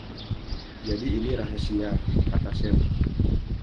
‘Jadi ini rahasia?’ kata Sam.